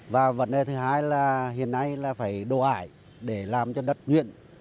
và vấn đề thứ hai là hiện nay là phải đồ ải để làm cho đất nguyện